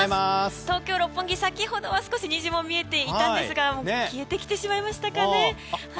東京・六本木、先ほどは少し虹も見えていたんですが消えてきてしまいましたかね。